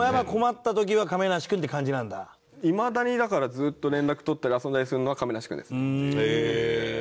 いまだにだからずっと連絡取ったり遊んだりするのは亀梨君ですね。